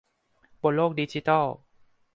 บนโลกดิจิทัล